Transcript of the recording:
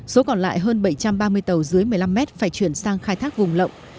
số còn lại hơn bảy trăm ba mươi tàu dưới một mươi năm mét phải chuyển sang khai thác vùng lộng